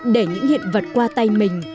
để những hiện vật qua tay mình